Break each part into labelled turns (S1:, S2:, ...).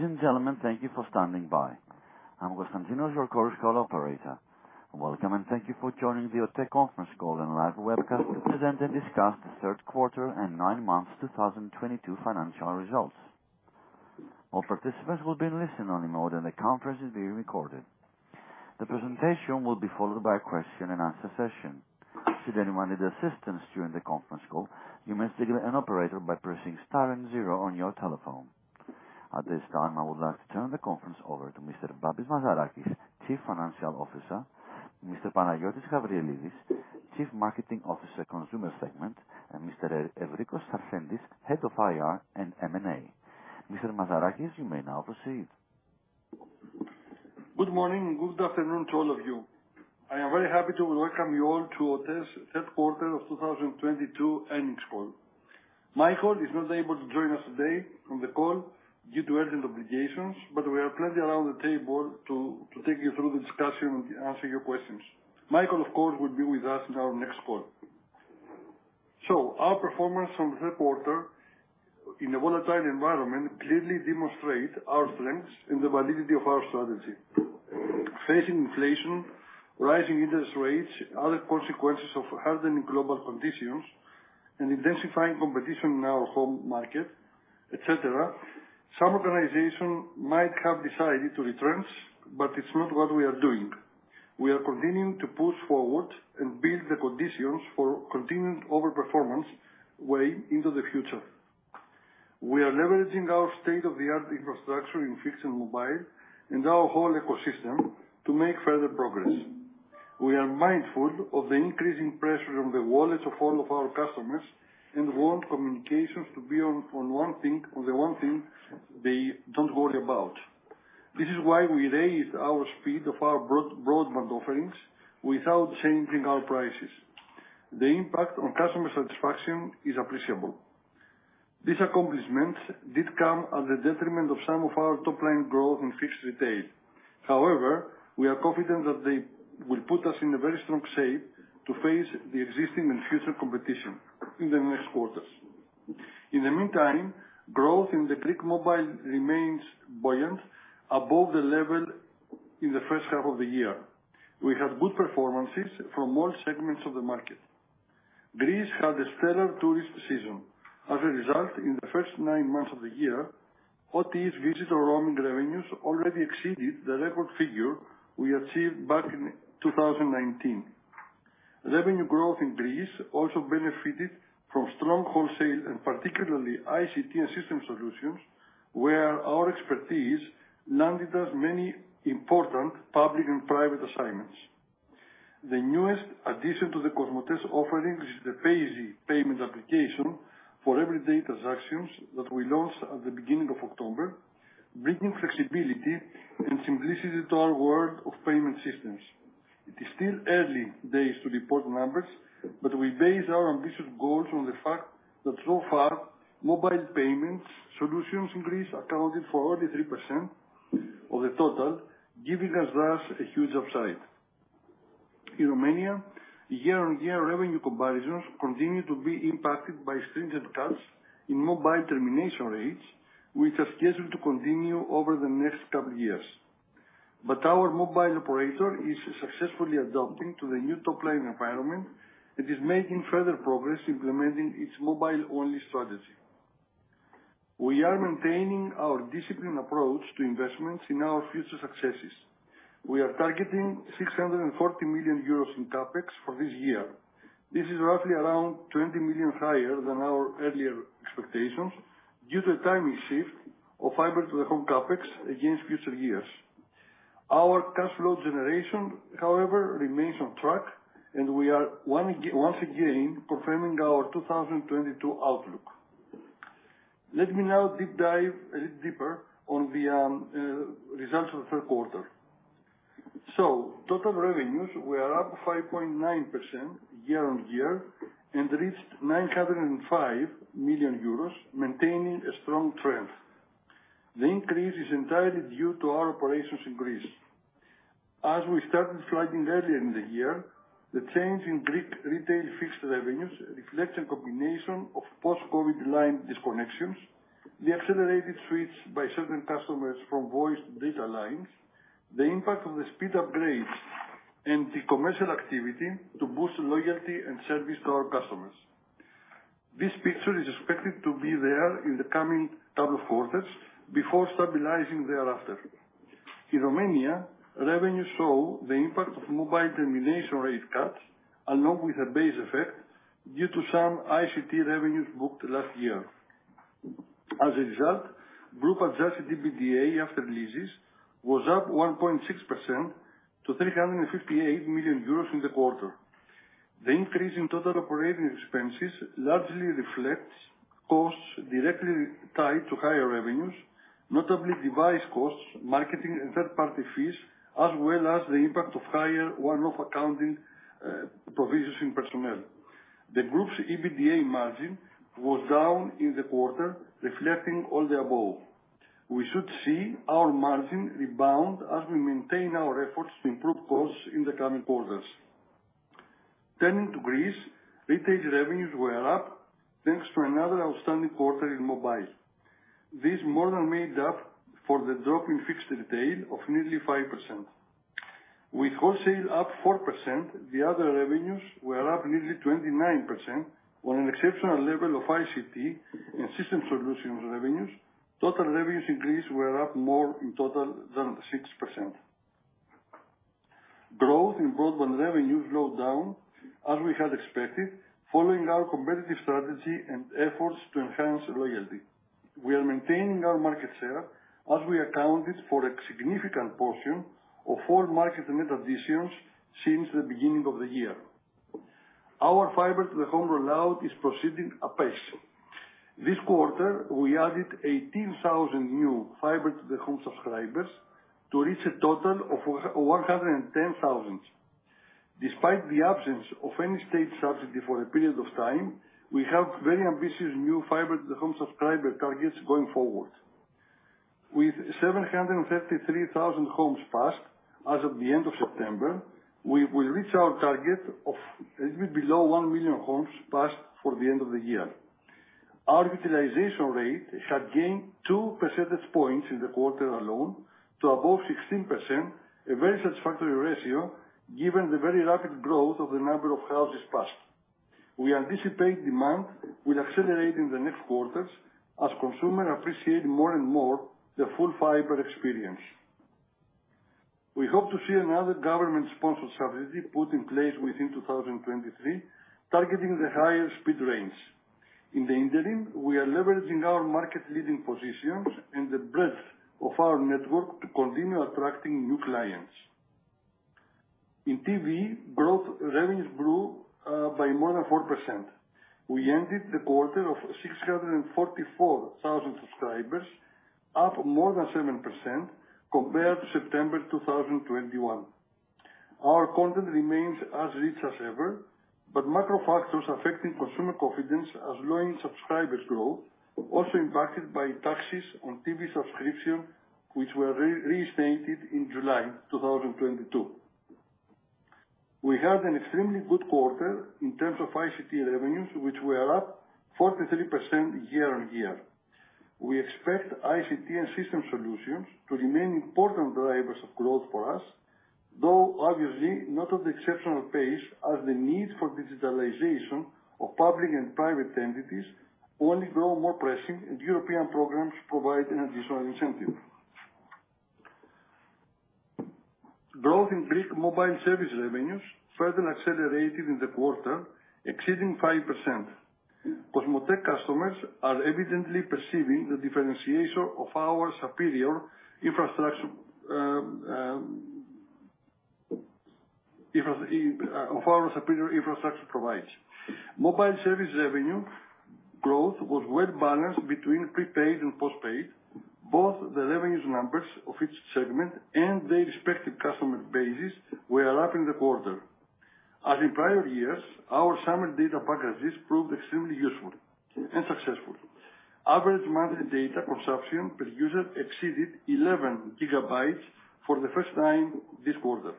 S1: Ladies and gentlemen, thank you for standing by. I'm Constantinos, your Chorus Call operator. Welcome, and thank you for joining the OTE conference call and live webcast to present and discuss the third quarter and nine months 2022 financial results. All participants will be in listen-only mode, and the conference is being recorded. The presentation will be followed by a question and answer session. Should anyone need assistance during the conference call, you may signal an operator by pressing star and zero on your telephone. At this time, I would like to turn the conference over to Mr. Babis Mazarakis, Chief Financial Officer, Mr. Panayiotis Gabrielides, Chief Marketing Officer, Consumer Segment, and Mr. Evrikos Sarsentis, Head of IR and M&A. Mr. Mazarakis, you may now proceed.
S2: Good morning and good afternoon to all of you. I am very happy to welcome you all to OTE's third quarter of 2022 earnings call. Michael is not able to join us today on the call due to urgent obligations, but we are plenty around the table to take you through the discussion and answer your questions. Michael, of course, will be with us in our next call. Our performance from the third quarter in a volatile environment clearly demonstrate our strengths and the validity of our strategy. Facing inflation, rising interest rates, other consequences of hardening global conditions and intensifying competition in our home market, et cetera, some organization might have decided to retrench, but it's not what we are doing. We are continuing to push forward and build the conditions for continued overperformance way into the future. We are leveraging our state-of-the-art infrastructure in fixed and mobile and our whole ecosystem to make further progress. We are mindful of the increasing pressure on the wallets of all of our customers and want communications to be on one thing they don't worry about. This is why we raised our speed of our broadband offerings without changing our prices. The impact on customer satisfaction is appreciable. These accomplishments did come at the detriment of some of our top line growth in fixed retail. However, we are confident that they will put us in a very strong shape to face the existing and future competition in the next quarters. In the meantime, growth in the Greek mobile remains buoyant above the level in the first half of the year. We have good performances from all segments of the market. Greece had a stellar tourist season. As a result, in the first nine months of the year, OTE's visitor roaming revenues already exceeded the record figure we achieved back in 2019. Revenue growth in Greece also benefited from strong wholesale and particularly ICT and system solutions, where our expertise landed us many important public and private assignments. The newest addition to the COSMOTE's offering, which is the payzy payment application for everyday transactions that we launched at the beginning of October, bringing flexibility and simplicity to our world of payment systems. It is still early days to report numbers, but we base our ambitious goals on the fact that so far, mobile payment solutions in Greece accounted for only 3% of the total, giving us thus a huge upside. In Romania, year-on-year revenue comparisons continue to be impacted by stringent cuts in mobile termination rates, which are scheduled to continue over the next couple years. Our mobile operator is successfully adapting to the new top line environment and is making further progress implementing its mobile-only strategy. We are maintaining our disciplined approach to investments in our future successes. We are targeting 640 million euros in CapEx for this year. This is roughly around 20 million higher than our earlier expectations due to a timing shift of Fiber-to-the-Home CapEx against future years. Our cash flow generation, however, remains on track, and we are once again confirming our 2022 outlook. Let me now deep dive a little deeper on the results of the third quarter. Total revenues were up 5.9% year-on-year and reached 905 million euros, maintaining a strong trend. The increase is entirely due to our operations in Greece. As we started flagging earlier in the year, the change in Greek retail fixed revenues reflects a combination of post-COVID line disconnections, the accelerated switch by certain customers from voice to data lines, the impact of the speed upgrades and the commercial activity to boost loyalty and service to our customers. This picture is expected to be there in the coming couple of quarters before stabilizing thereafter. In Romania, revenues show the impact of mobile termination rate cuts along with a base effect due to some ICT revenues booked last year. As a result, group adjusted EBITDA after leases was up 1.6% to 358 million euros in the quarter. The increase in total operating expenses largely reflects costs directly tied to higher revenues, notably device costs, marketing and third-party fees, as well as the impact of higher one-off accounting provisions in personnel. The group's EBITDA margin was down in the quarter, reflecting all the above. We should see our margin rebound as we maintain our efforts to improve costs in the coming quarters. Turning to Greece, retail revenues were up thanks to another outstanding quarter in mobile. This more than made up for the drop in fixed retail of nearly 5%. With wholesale up 4%, the other revenues were up nearly 29% on an exceptional level of ICT and system solutions revenues. Total revenues increase were up more in total than 6%. Growth in broadband revenues slowed down as we had expected, following our competitive strategy and efforts to enhance loyalty. We are maintaining our market share as we accounted for a significant portion of all market net additions since the beginning of the year. Our Fiber-to-the-Home rollout is proceeding apace. This quarter, we added 18,000 new Fiber-to-the-Home subscribers to reach a total of 110,000. Despite the absence of any state subsidy for a period of time, we have very ambitious new Fiber-to-the-Home subscriber targets going forward. With 753,000 homes passed as of the end of September, we will reach our target of a little bit below 1 million homes passed for the end of the year. Our utilization rate had gained 2 percentage points in the quarter alone to above 16%, a very satisfactory ratio given the very rapid growth of the number of houses passed. We anticipate demand will accelerate in the next quarters as consumer appreciate more and more the full fiber experience. We hope to see another government-sponsored subsidy put in place within 2023, targeting the higher speed range. In the interim, we are leveraging our market leading positions and the breadth of our network to continue attracting new clients. In TV, revenues grew by more than 4%. We ended the quarter with 644,000 subscribers, up more than 7% compared to September 2021. Our content remains as rich as ever, but macro factors affecting consumer confidence are lowering subscribers growth, also impacted by taxes on TV subscription, which were reinstated in July 2022. We had an extremely good quarter in terms of ICT revenues, which were up 43% year-on-year. We expect ICT and system solutions to remain important drivers of growth for us, though obviously not at the exceptional pace as the need for digitalization of public and private entities only grow more pressing, and European programs provide an additional incentive. Growth in Greek mobile service revenues further accelerated in the quarter, exceeding 5%. COSMOTE customers are evidently perceiving the differentiation of our superior infrastructure provides. Mobile service revenue growth was well balanced between prepaid and postpaid. Both the revenues numbers of each segment and their respective customer bases were up in the quarter. As in prior years, our summer data packages proved extremely useful and successful. Average monthly data consumption per user exceeded 11 GB for the first time this quarter.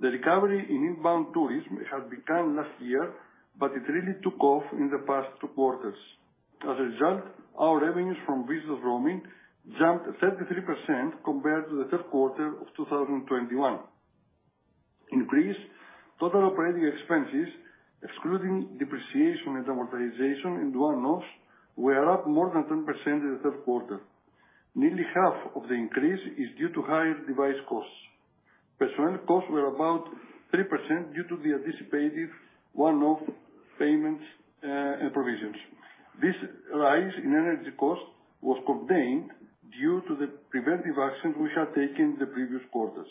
S2: The recovery in inbound tourism had begun last year, but it really took off in the past two quarters. As a result, our revenues from visitors roaming jumped 33% compared to the third quarter of 2021. The increase in total operating expenses, excluding depreciation and amortization and one-offs, were up more than 10% in the third quarter. Nearly 1/2 of the increase is due to higher device costs. Personnel costs were about 3% due to the anticipated one-off payments and provisions. This rise in energy cost was contained due to the preventive actions we had taken in the previous quarters.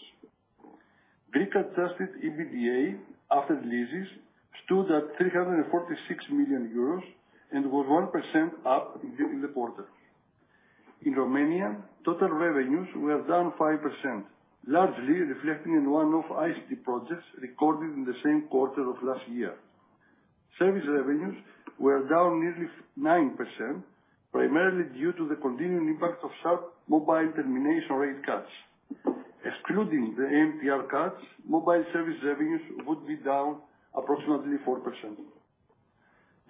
S2: Greek adjusted EBITDA after leases stood at 346 million euros and was 1% up in the quarter. In Romania, total revenues were down 5%, largely reflecting one-off ICT projects recorded in the same quarter of last year. Service revenues were down nearly 9%, primarily due to the continuing impact of sharp mobile termination rate cuts. Excluding the MTR cuts, mobile service revenues would be down approximately 4%.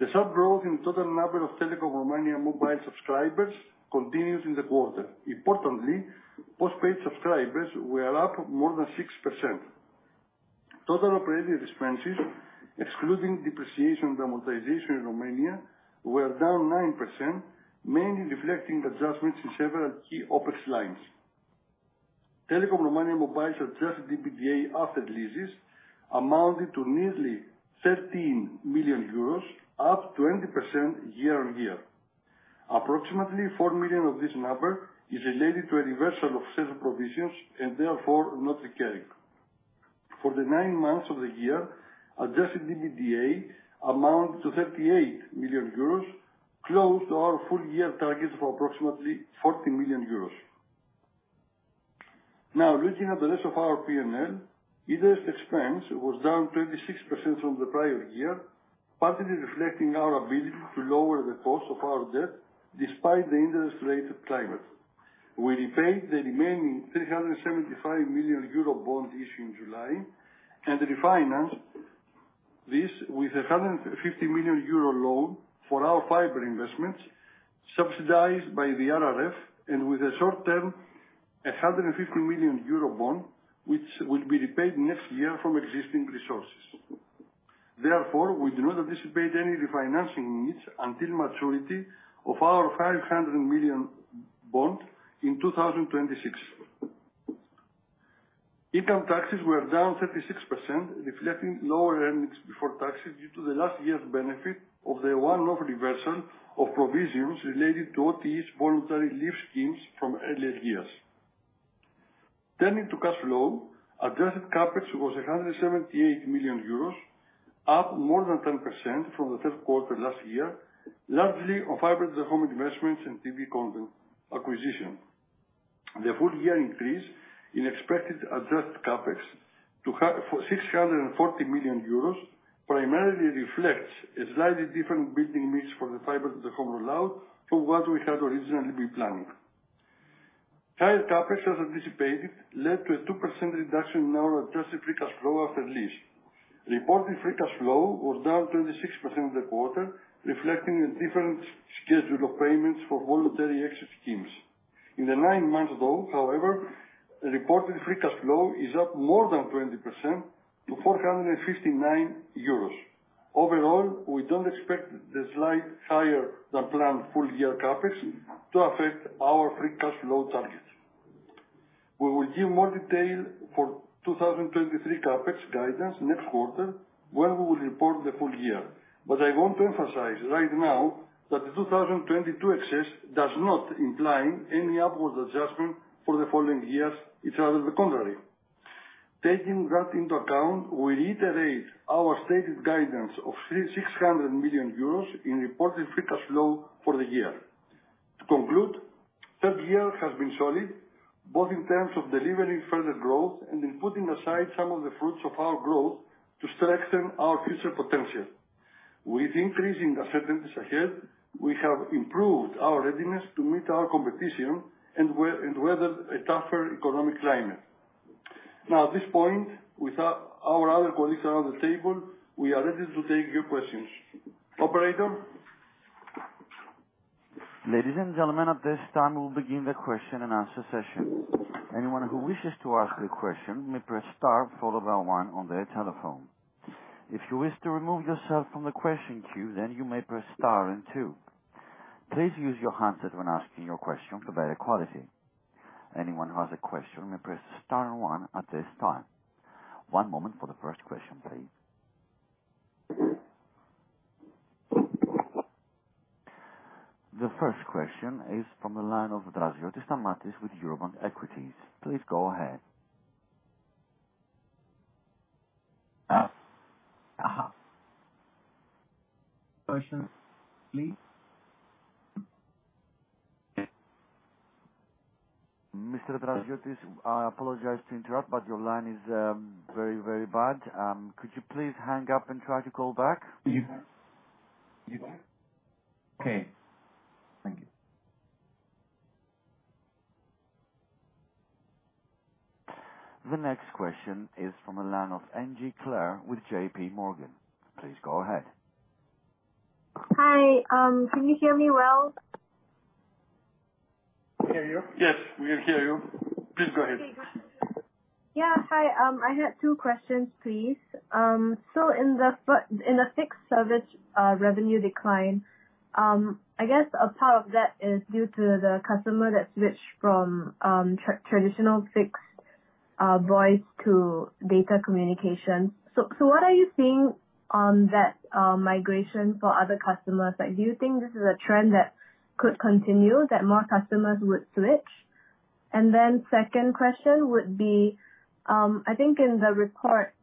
S2: The sharp growth in total number of Telekom Romania mobile subscribers continues in the quarter. Importantly, postpaid subscribers were up more than 6%. Total operating expenses, excluding depreciation and amortization in Romania, were down 9%, mainly reflecting adjustments in several key OpEx lines. Telekom Romania mobile adjusted EBITDA after leases amounted to nearly 13 million euros, up 20% year-on-year. Approximately 4 million of this number is related to a reversal of sales provisions and therefore not recurring. For the nine months of the year, adjusted EBITDA amount to 38 million euros, close to our full year targets of approximately 40 million euros. Now looking at the rest of our P&L, interest expense was down 26% from the prior year, partly reflecting our ability to lower the cost of our debt despite the interest rate climate. We repaid the remaining 375 million euro bond issue in July, and refinance this with a 150 million euro loan for our fiber investments subsidized by the RRF, and with a short-term, a 150 million euro bond, which will be repaid next year from existing resources. Therefore, we do not anticipate any refinancing needs until maturity of our 500 million bond in 2026. Income taxes were down 36%, reflecting lower earnings before taxes due to the last year's benefit of the one-off reversal of provisions related to OTE's voluntary leave schemes from earlier years. Turning to cash flow. Adjusted CapEx was 178 million euros, up more than 10% from the third quarter last year, largely on Fiber-to-the-Home investments and TV content acquisition. The full year increase in expected adjusted CapEx to 640 million euros primarily reflects a slightly different building mix for the Fiber-to-the-Home rollout from what we had originally been planning. Higher CapEx, as anticipated, led to a 2% reduction in our adjusted free cash flow after lease. Reported free cash flow was down 26% in the quarter, reflecting a different schedule of payments for voluntary exit schemes. In the nine months though, however, reported free cash flow is up more than 20% to 459 euros. Overall, we don't expect the slight higher-than-planned full year CapEx to affect our free cash flow targets. We will give more detail for 2023 CapEx guidance next quarter when we will report the full year. I want to emphasize right now that the 2022 excess does not imply any upward adjustment for the following years, it's rather the contrary. Taking that into account, we reiterate our stated guidance of 600 million euros in reported free cash flow for the year. To conclude, third quarter has been solid, both in terms of delivering further growth and in putting aside some of the fruits of our growth to strengthen our future potential. With increasing uncertainties ahead, we have improved our readiness to meet our competition and weather a tougher economic climate. Now at this point, with our other colleagues around the table, we are ready to take your questions. Operator?
S1: Ladies and gentlemen, at this time, we'll begin the question and answer session. Anyone who wishes to ask a question may press star followed by one on their telephone. If you wish to remove yourself from the question queue, then you may press star and two. Please use your handset when asking your question for better quality. Anyone who has a question may press star and one at this time. One moment for the first question, please. The first question is from the line of Draziotis Stamatios with Eurobank Equities. Please go ahead.
S3: Question, please.
S1: Mr. Draziotis, I apologize to interrupt, but your line is very, very bad. Could you please hang up and try to call back?
S3: Okay. Thank you.
S1: The next question is from the line of [Sonia Jay] with JPMorgan. Please go ahead.
S4: Hi. Can you hear me well?
S1: We hear you.
S2: Yes, we hear you. Please go ahead.
S4: Okay, good. Yeah. Hi. I had two questions, please. In the fixed service revenue decline, I guess a part of that is due to the customer that switched from traditional fixed voice to data communication. What are you seeing on that migration for other customers? Like, do you think this is a trend that could continue that more customers would switch? Second question would be, I think in the report,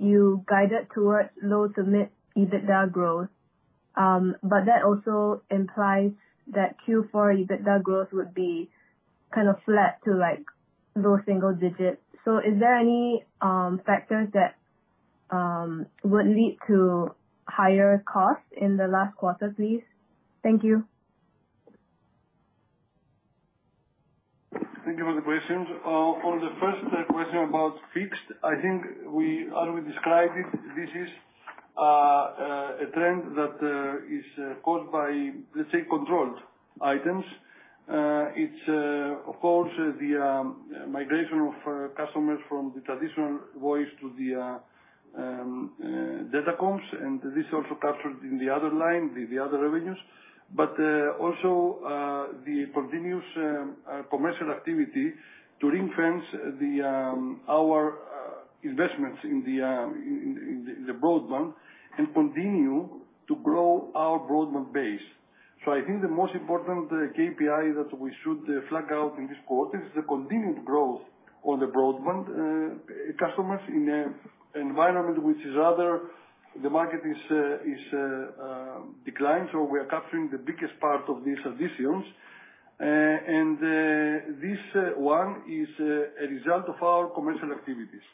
S4: you guided towards low to mid EBITDA growth, but that also implies that Q4 EBITDA growth would be kind of flat to like low single digits. Is there any factors that would lead to higher costs in the last quarter, please? Thank you.
S2: Thank you for the questions. On the first question about fixed, I think we, as we described it, this is a trend that is caused by, let's say, controlled items. It's of course the migration of customers from the traditional voice to the data comms, and this is also captured in the other line, the other revenues. Also the continuous commercial activity to refinance our investments in the broadband and continue to grow our broadband base. I think the most important KPI that we should flag out in this quarter is the continued growth on the broadband customers in a environment which is rather the market is declined. We are capturing the biggest part of these additions. This one is a result of our commercial activities,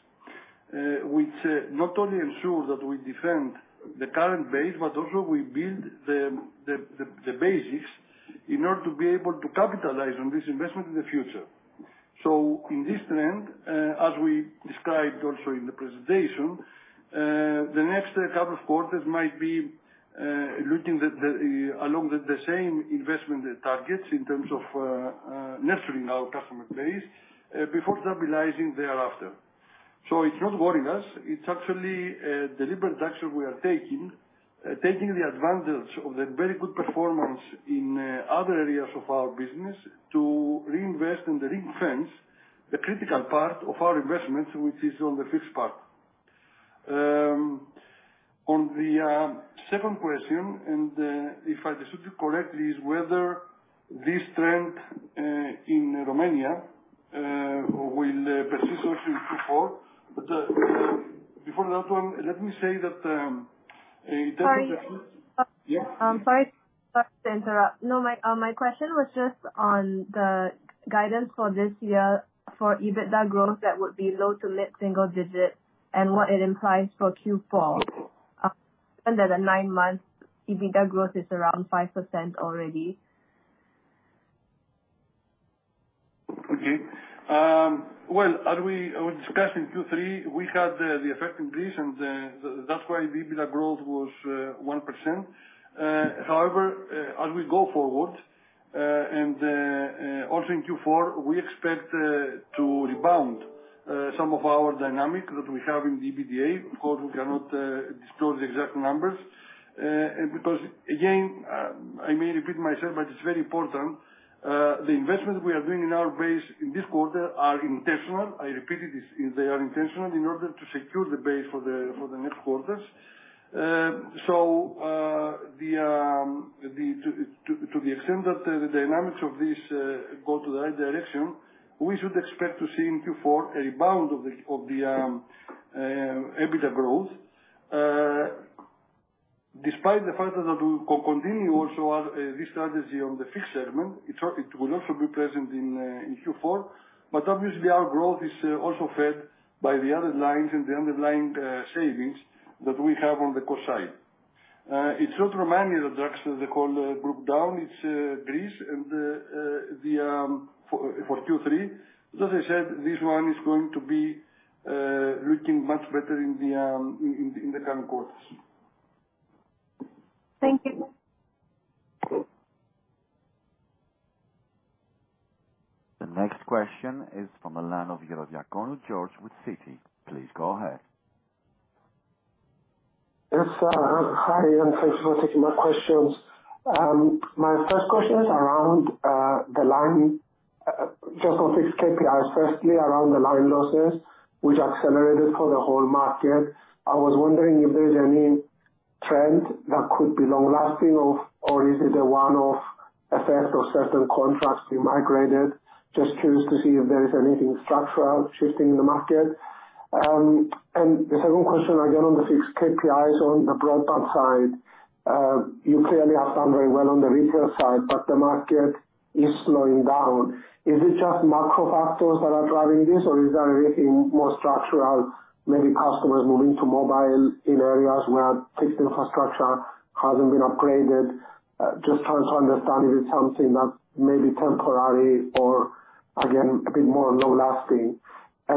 S2: which not only ensures that we defend the current base, but also we build the basics in order to be able to capitalize on this investment in the future. In this trend, as we described also in the presentation, the next couple of quarters might be looking along the same investment targets in terms of nurturing our customer base before stabilizing thereafter. It's not worrying us. It's actually deliberate action we are taking the advantage of the very good performance in other areas of our business to reinvest and reinforce the critical part of our investments, which is on the fixed part. On the second question, and if I understood you correctly, is whether this trend in Romania will persist also in Q4. Before that one, let me say that, in terms of
S4: Sorry.
S2: Yeah.
S4: Sorry to interrupt. No, my question was just on the guidance for this year for EBITDA growth that would be low to mid-single-digit and what it implies for Q4. The nine months EBITDA growth is around 5% already.
S2: Okay. Well, as we discussed in Q3, we had the effect in Greece, and that's why EBITDA growth was 1%. However, as we go forward and also in Q4, we expect to rebound some of our dynamics that we have in EBITDA. Of course, we cannot disclose the exact numbers. Because again, I may repeat myself, but it's very important, the investments we are doing in our base in this quarter are intentional. I repeated this. They are intentional in order to secure the base for the next quarters. To the extent that the dynamics of this go to the right direction, we should expect to see in Q4 a rebound of the EBITDA growth. Despite the fact that we will continue also as this strategy on the fixed segment, it will also be present in Q4. Obviously our growth is also fed by the other lines and the underlying savings that we have on the cost side. It's not Romania that drags the whole group down. It's Greece and the for Q3. As I said, this one is going to be looking much better in the coming quarters.
S4: Thank you.
S1: The next question is from the line of Ierodiaconou Georgios with Citi. Please go ahead.
S5: Yes, hi, and thanks for taking my questions. My first question is around the line, just on fixed KPIs. Firstly, around the line losses which accelerated for the whole market, I was wondering if there is any trend that could be long-lasting or is it a one-off effect of certain contracts being migrated. Just curious to see if there is anything structural shifting in the market. My second question again on the fixed KPIs on the broadband side. You clearly have done very well on the retail side, but the market is slowing down. Is it just macro factors that are driving this, or is there anything more structural, maybe customers moving to mobile in areas where fixed infrastructure hasn't been upgraded. Just trying to understand if it's something that may be temporary or again, a bit more long-lasting.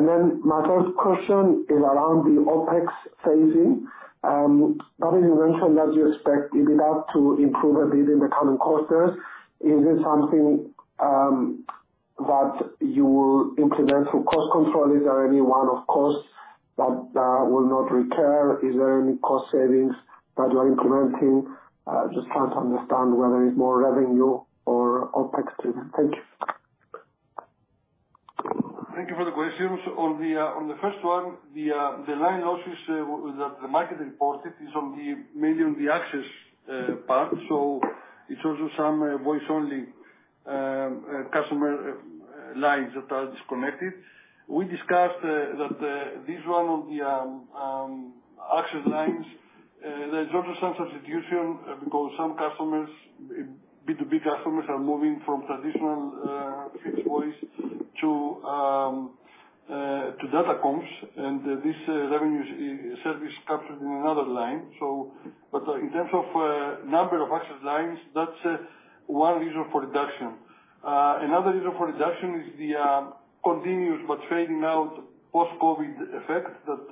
S5: My third question is around the OpEx phasing. Obviously you mentioned that you expect EBITDA to improve a bit in the coming quarters. Is this something that you will implement through cost control? Is there any one-off costs that will not recur? Is there any cost savings that you are implementing? Just trying to understand whether it's more revenue or OpEx driven. Thank you.
S2: Thank you for the questions. On the first one, the line losses that the market reported is mainly on the access part, so it's also some voice-only customer lines that are disconnected. We discussed that this one on the access lines, there's also some substitution because some customers, B2B customers, are moving from traditional fixed voice to data comms, and this revenue is captured in another line. But in terms of number of access lines, that's one reason for reduction. Another reason for reduction is the continuous but fading out post-COVID effect that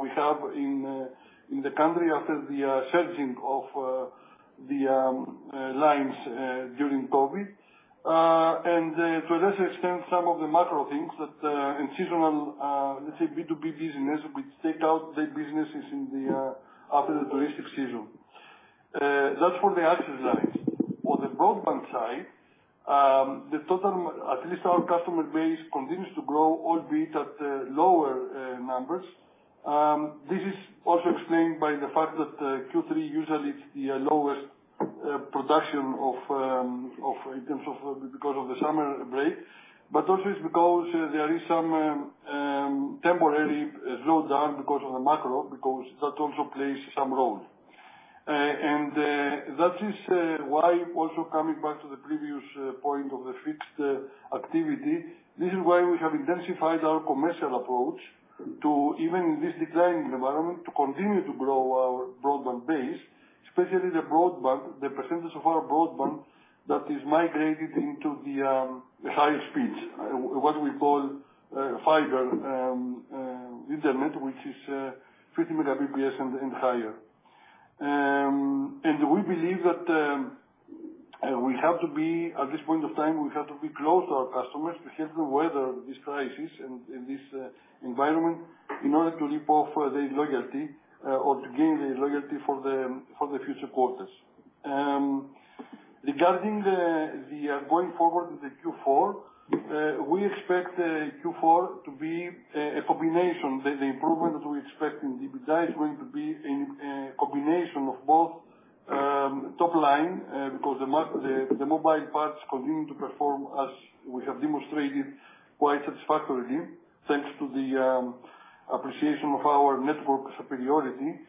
S2: we have in the country after the surging of the lines during COVID. To a lesser extent, some of the macro things that in seasonal let's say B2B business, which take out big businesses in the aftermath of the touristic season. That's for the access lines. On the broadband side, the total at least our customer base continues to grow, albeit at lower numbers. This is also explained by the fact that Q3 usually is the lowest production of items because of the summer break. Also it's because there is some temporary slowdown because of the macro, because that also plays some role. That is why also coming back to the previous point of the fixed activity. This is why we have intensified our commercial approach to, even in this declining environment, continue to grow our broadband base, especially the percentage of our broadband that is migrated into the higher speeds, what we call fiber internet which is 50 Mbps and higher. We believe that at this point of time we have to be close to our customers to help them weather this crisis and this environment in order to keep the loyalty or to gain the loyalty for the future quarters. Regarding going forward with Q4, we expect Q4 to be a combination. The improvement that we expect in EBITDA is going to be in combination of both top line, because the mobile parts continue to perform as we have demonstrated quite satisfactorily, thanks to the appreciation of our network superiority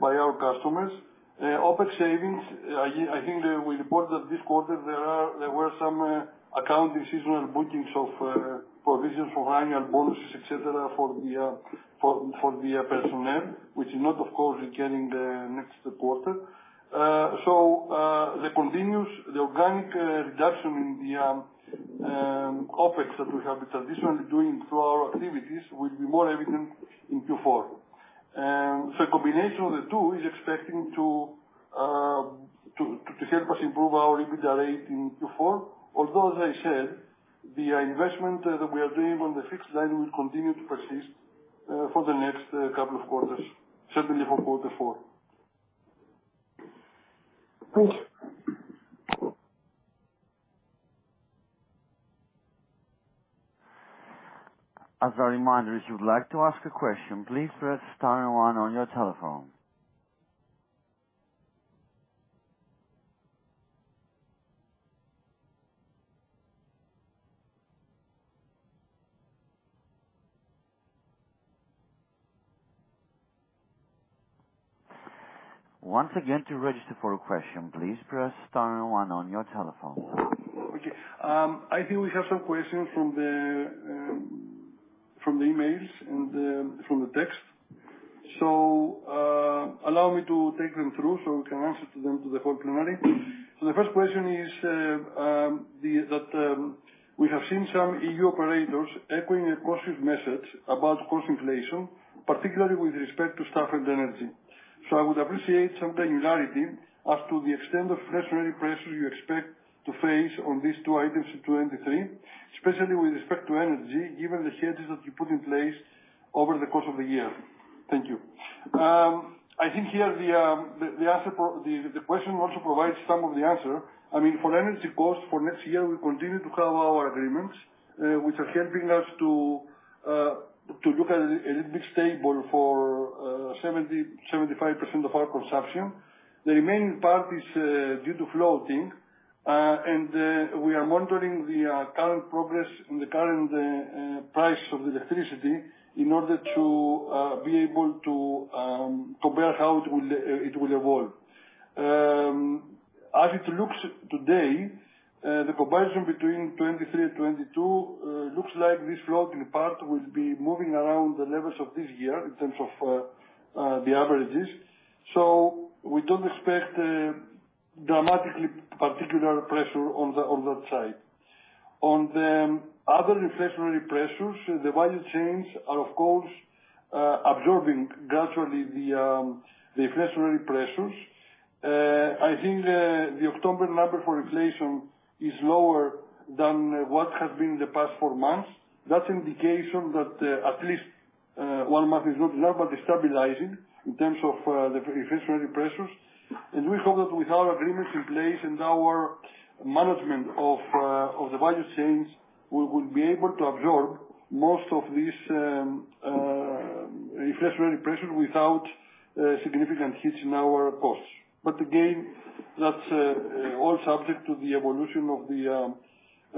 S2: by our customers. OpEx savings, I think that we reported this quarter there were some one-off seasonal bookings of provisions for annual bonuses, et cetera, for the personnel, which is not of course recurring the next quarter. The organic reduction in the OpEx that we have been traditionally doing through our activities will be more evident in Q4. A combination of the two is expecting to help us improve our EBITDA in Q4. Although as I said, the investment that we are doing on the fixed line will continue to persist for the next couple of quarters, certainly for quarter four.
S5: Thank you.
S1: As a reminder, if you'd like to ask a question, please press star one on your telephone. Once again, to register for a question, please press star one on your telephone.
S2: Okay. I think we have some questions from the emails and from the text. Allow me to take them through so we can answer to them to the whole plenary. The first question is, we have seen some EU operators echoing a cautious message about cost inflation, particularly with respect to staff and energy. I would appreciate some granularity as to the extent of inflationary pressure you expect to face on these two items in 2023, especially with respect to energy, given the changes that you put in place over the course of the year. Thank you. I think here the question also provides some of the answer. I mean, for energy costs for next year, we continue to have our agreements, which are helping us to look a little bit stable for 75% of our consumption. The remaining part is due to floating, and we are monitoring the current progress and the current price of the electricity in order to be able to compare how it will evolve. As it looks today, the comparison between 2023 and 2022 looks like this floating part will be moving around the levels of this year in terms of the averages. We don't expect dramatically particular pressure on that side. On the other inflationary pressures, the value chains are of course absorbing gradually the inflationary pressures. I think the October number for inflation is lower than what has been the past four months. That's indication that at least one month is not low, but is stabilizing in terms of the inflationary pressures. We hope that with our agreements in place and our management of the value chains, we will be able to absorb most of this inflationary pressure without significant hits in our costs. Again, that's all subject to the evolution of the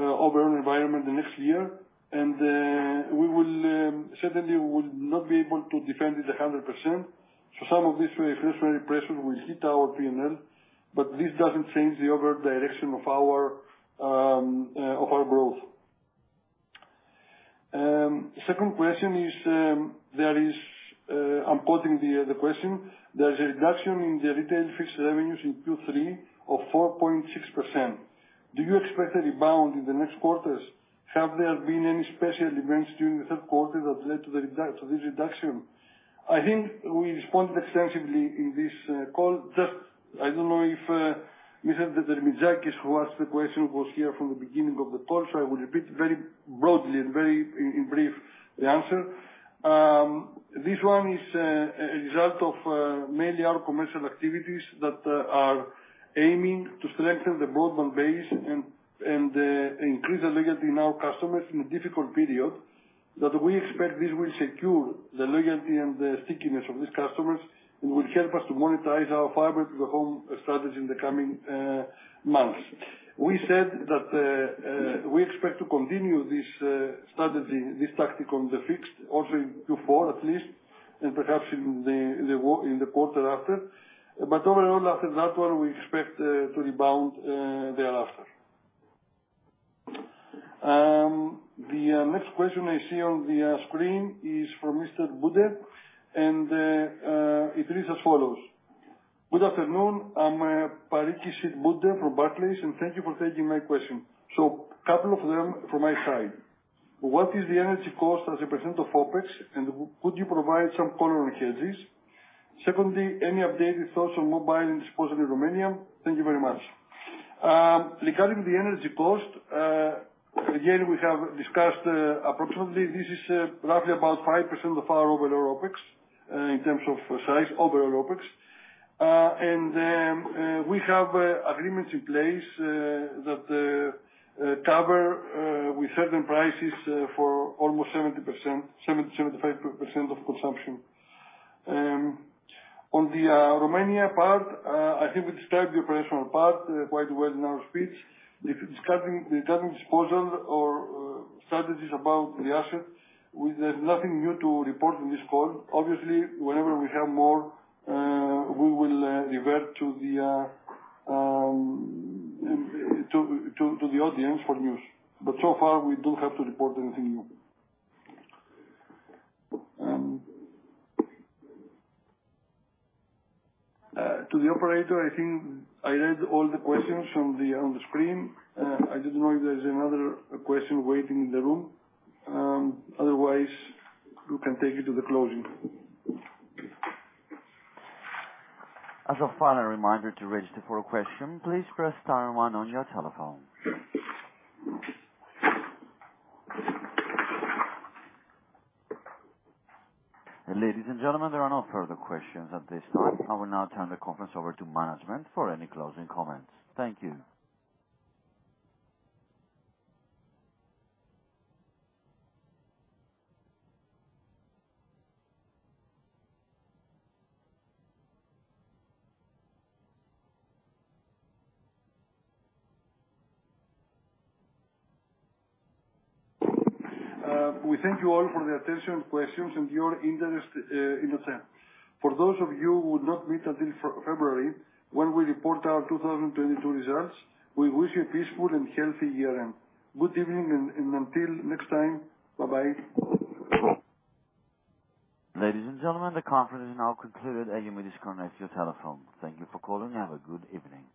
S2: overall environment the next year. We certainly will not be able to defend it 100%. Some of this inflationary pressure will hit our P&L, but this doesn't change the overall direction of our growth. Second question is, there is, I'm quoting the question. There is a reduction in the retail fixed revenues in Q3 of 4.6%. Do you expect a rebound in the next quarters? Have there been any special events during the third quarter that led to this reduction? I think we responded extensively in this call. Just, I don't know if Mr. Draziotis who asked the question was here from the beginning of the call, so I will repeat very broadly and very in brief the answer. This one is a result of mainly our commercial activities that are aiming to strengthen the broadband base and increase the loyalty in our customers in a difficult period, that we expect this will secure the loyalty and the stickiness of these customers and will help us to monetize our Fiber-to-the-Home strategy in the coming months. We said that we expect to continue this strategy, this tactic on the fixed also in Q4 at least, and perhaps in the quarter after. Overall after that one, we expect to rebound thereafter. The next question I see on the screen is from Mr. Patrick, and it reads as follows: Good afternoon. I'm Maurice Patrick from Barclays, and thank you for taking my question. Couple of them from my side. What is the energy cost as a percent of OpEx, and would you provide some color on hedges? Secondly, any updated thoughts on mobile and disposal in Romania? Thank you very much. Regarding the energy cost, again, we have discussed, approximately this is, roughly about 5% of our overall OpEx, in terms of size, overall OpEx. And we have agreements in place that cover with certain prices for almost 70%, 77%-85% of consumption. On the Romania part, I think we described the operational part quite well in our speech. If discussing regarding disposal or strategies about the asset, we have nothing new to report in this call. Obviously, whenever we have more, we will revert to the audience for news. So far, we don't have to report anything new. To the operator, I think I read all the questions from the ones on the screen. I didn't know if there's another question waiting in the room. Otherwise, you can take it to the closing.
S1: As a final reminder to register for a question, please press star one on your telephone. Ladies and gentlemen, there are no further questions at this time. I will now turn the conference over to management for any closing comments. Thank you.
S2: We thank you all for the attention, questions and your interest in the team. For those of you who will not meet until February, when we report our 2022 results, we wish you a peaceful and healthy year-end. Good evening and until next time, bye-bye.
S1: Ladies and gentlemen, the conference is now concluded. You may disconnect your telephone. Thank you for calling. Have a good evening.